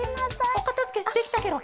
おかたづけできたケロ。